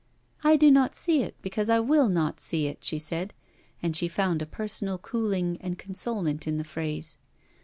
'I do not see it, because I will not see it,' she said, and she found a personal cooling and consolement in the phrase.